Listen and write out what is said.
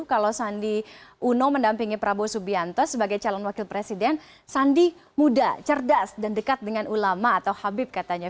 kalau sandi uno mendampingi prabowo subianto sebagai calon wakil presiden sandi muda cerdas dan dekat dengan ulama atau habib katanya